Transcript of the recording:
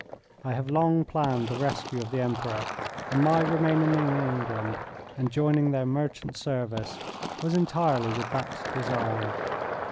I have long planned the rescue of the Emperor, and my remaining in England and joining their merchant service was entirely with that design.